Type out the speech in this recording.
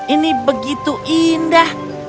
ini begitu indah